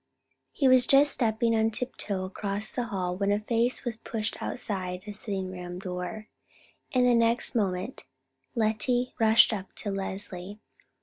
He was just stepping on tiptoe across the hall when a face was pushed outside a sitting room door, and the next moment Lettie rushed up to Leslie.